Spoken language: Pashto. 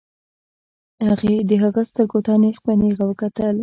هغې د هغه سترګو ته نېغ په نېغه وکتل.